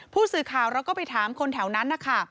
ผู้สื่อข่าวเราก็ไปถามคนแถวนั้นนะคะ